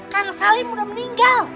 kang salim udah meninggal